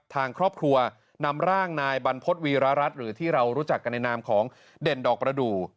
ทางครอบครัวนำร่างนายบรรพฤษวีรรัฐหรือที่เรารู้จักกันในนามของเด่นดอกประดูก